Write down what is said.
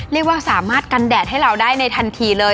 เรียกว่าสามารถกันแดดให้เราได้ในทันทีเลย